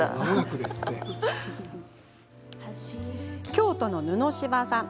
京都の布柴さん